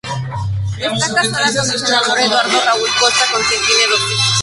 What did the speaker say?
Está casada con el senador Eduardo Raúl Costa, con quien tiene dos hijos.